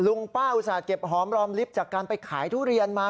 ลุงป้าอุตส่าห์เก็บหอมรอมลิฟต์จากการไปขายทุเรียนมา